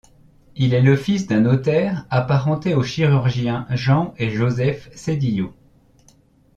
Il est le fils d'un notaire apparenté aux chirurgiens Jean et Joseph Sédillot.